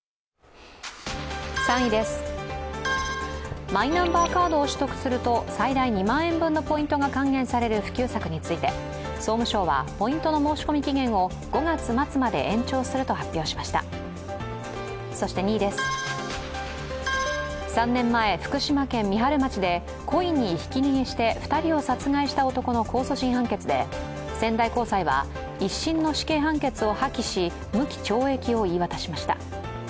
３位です、マイナンバーカードを取得すると最大２万円分のポイントが還元される普及策について総務省は、ポイントの申し込み期限を５月末まで延長すると発表しました２位です３年前福島県三春町で故意にひき逃げして２人を殺害した男の控訴審判決で仙台高裁は、１審の死刑判決を破棄し、無期懲役を言い渡しました。